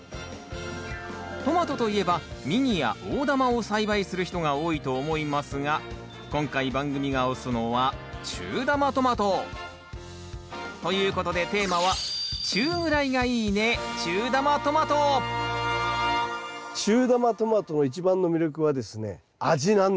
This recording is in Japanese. トマトといえばミニや大玉を栽培する人が多いと思いますが今回番組が推すのは中玉トマト。ということでテーマは中玉トマトの一番の魅力はですね味なんですよ味。